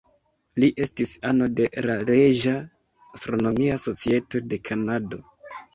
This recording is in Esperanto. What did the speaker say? Li estis ano de la Reĝa astronomia societo de Kanado.